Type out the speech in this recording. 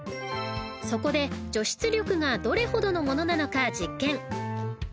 ［そこで除湿力がどれほどのものなのか実験］